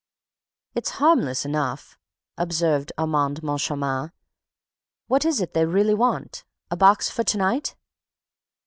"It's harmless enough," observed Armand Moncharmin. "What is it they really want? A box for to night?"